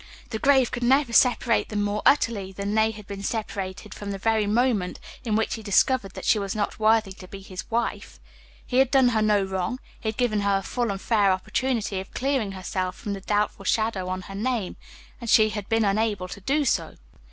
The grave could never separate them more utterly than they had been separated from the very moment in which he discovered that she was not worthy to be his wife. He had done her no wrong; he had given her a full and fair opportunity of clearing herself from the doubtful shadow on her name, and she had been unable to do so.